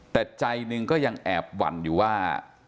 แต่ใจหนึ่งก็ยังแอบหวั่นอยู่ว่า